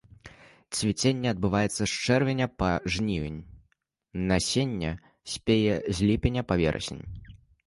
Цвіценне адбываецца з чэрвеня па жнівень, насенне спее з ліпеня па верасень.